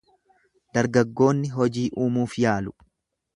Dargaggoonni hojii uumuuf yaalu.